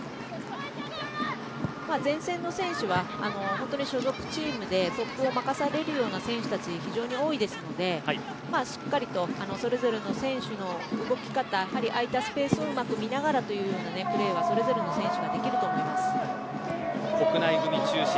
前線の選手は本当に所属チームでトップを任されるような選手たちが非常に多いですのでしっかりとそれぞれの選手の動き方空いたスペースをうまく見ながらというようなプレーがそれぞれの選手に国内組中心。